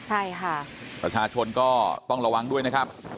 ใช่ค่ะประชาชนก็ต้องระวังด้วยนะครับ